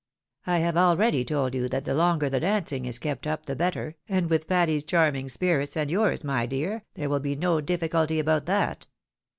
I have already told you that the longer the dancing is kept up the better, and with Patty's charming spirits, and yom's, my dear, there will be no diificulty about that."